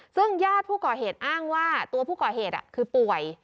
ซึ่งญาติผู้ก่อเหตุอ้างว่าตัวผู้ก่อเหตุคือป่วย